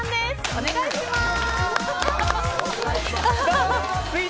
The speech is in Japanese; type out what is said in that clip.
お願いします。